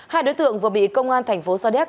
hai đối tượng vừa bị công an tp sa đéc